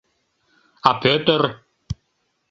А Пӧтыр?..